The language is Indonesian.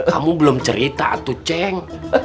kamu belum cerita atau ceng